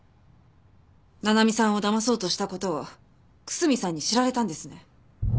奈々美さんをだまそうとした事を楠見さんに知られたんですね。